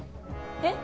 えっ？